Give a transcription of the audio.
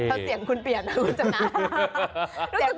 ทำเสียงคุณเปลี่ยนรู้จักนั้น